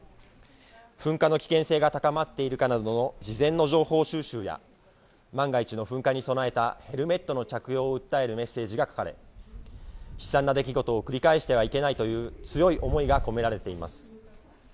噴火の危険性が高まっているかなどの事前の情報収集や、万が一の噴火に備えたヘルメットの着用を訴えるメッセージが書かれ、悲惨な出来事を繰り返してはいけないという強い思いが込められています。